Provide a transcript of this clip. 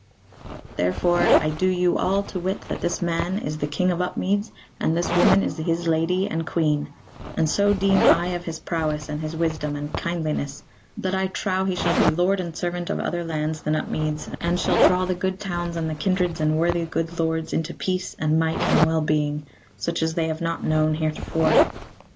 Therefore I do you all to wit that this man is the King of Upmeads, and this woman is his Lady and Queen; and so deem I of his prowess, and his wisdom, and kindliness, that I trow he shall be lord and servant of other lands than Upmeads, and shall draw the good towns and the kindreds and worthy good lords into peace and might and well being, such as they have not known heretofore.